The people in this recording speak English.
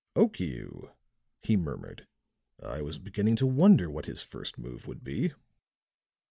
"Okiu," he murmured. "I was beginning to wonder what his first move would be."